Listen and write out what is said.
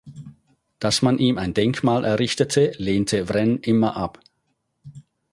Dass man ihm ein Denkmal errichtete, lehnte Wren immer ab.